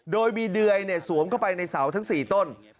โดยมีเดื่อยเนี่ยสวมเข้าไปในเสาทั้ง๔ต้น